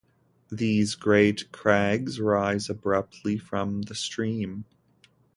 These great crags rise abruptly from the stream.